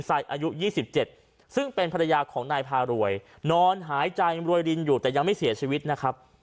อายุ๒๗ซึ่งเป็นภรรยาของนายพารวยนอนหายใจรวยรินอยู่แต่ยังไม่เสียชีวิตนะครับ